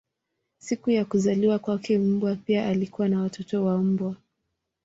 Siku ya kuzaliwa kwake mbwa pia alikuwa na watoto wa mbwa.